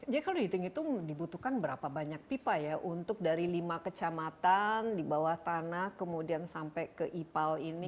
jadi kalau ditinggit dibutuhkan berapa banyak pipa ya untuk dari lima kecamatan di bawah tanah kemudian sampai ke ipal ini total